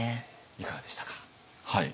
いかがでしたか？